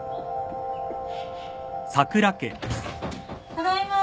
ただいま。